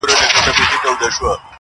راځه جهاني جوړ سو د پردېسو اوښکو کلی؛